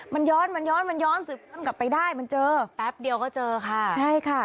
มันย้อนมันย้อนมันย้อนสืบกลับไปได้มันเจอแป๊บเดียวก็เจอค่ะใช่ค่ะ